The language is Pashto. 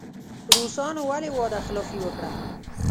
روسانو ولې وعده خلافي وکړه.